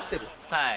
はい。